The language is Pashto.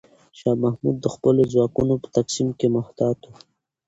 شاه محمود د خپلو ځواکونو په تقسیم کې محتاط و.